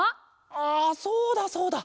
あそうだそうだ。